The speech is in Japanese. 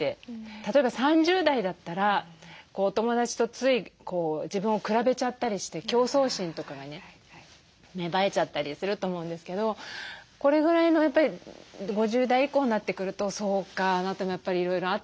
例えば３０代だったらお友だちとつい自分を比べちゃったりして競争心とかがね芽生えちゃったりすると思うんですけどこれぐらいのやっぱり５０代以降になってくると「そうかあなたもやっぱりいろいろあったんだね。